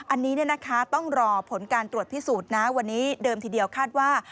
อันนี้ต้องรอผลการตรวจพิสูจน์นะวันนี้เดิมทีเดียวคาดว่า